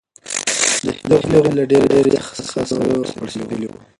د هیلې غومبوري له ډېر یخ څخه سره او پړسېدلي وو.